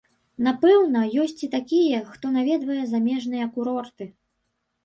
Напэўна, ёсць і такія, хто наведвае замежныя курорты.